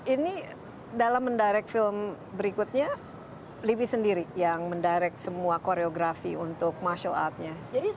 ini dalam mendirect film berikutnya livi sendiri yang mendirect semua koreografi untuk martial artnya